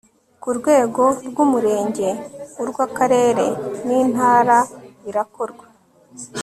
ku rwego rw 'umurenge urw'akarere n' intara birakorwa